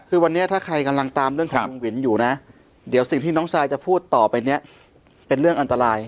คือวันนี้ถ้าใครกำลังตามเรื่องของลุงวินอยู่นะเดี๋ยวสิ่งที่น้องซายจะพูดต่อไปเนี่ยเป็นเรื่องอันตราย